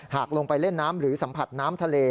ลงไปเล่นน้ำหรือสัมผัสน้ำทะเล